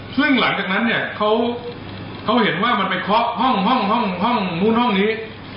เรื่องหลังจากนั้นเนี้ยเขาเขาเห็นว่ามันไปคล็อกห้องห้องห้องห้องนู้นห้องนี้